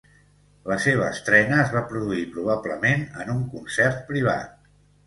La seva estrena es va produir probablement en un concert privat.